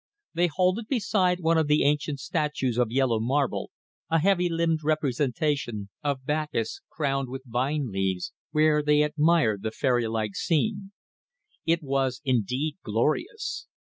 They halted beside one of the ancient statues of yellow marble, a heavy limbed representation of Bacchus crowned with vine leaves, where they admired the fairy like scene. It was indeed glorious.